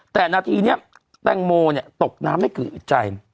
แต่หน้าทีเนี่ยแตงโมวเนี่ยตกน้ำได้กลืนอึดใจ